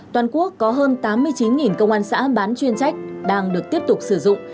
toàn quốc có hơn tám mươi chín công an xã bán chuyên trách đang được tiếp tục sử dụng